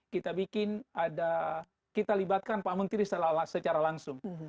kita bikin ada kita libatkan pak menteri secara langsung